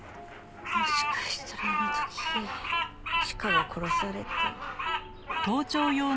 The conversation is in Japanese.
もしかしたらあの時チカは殺されて。